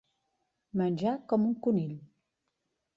Menjar com un conill.